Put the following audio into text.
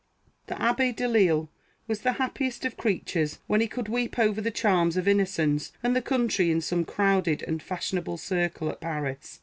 TuE Abb6 Delille was the happiest of creatures, when he could weep over the charms of innocence and the country in some crowded and fashionable circle at Paris.